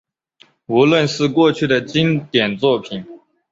无论是过去的经典作品